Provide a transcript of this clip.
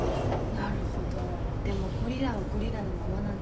なるほどでもゴリラはゴリラのままなんですね。